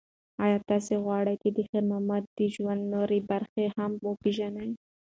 ایا تاسو غواړئ چې د خیر محمد د ژوند نورې برخې هم وپیژنئ؟